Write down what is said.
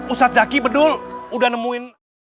ustadz zaki bedul udah nemuin